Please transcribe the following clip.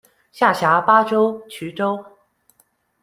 下辖巴州、渠州。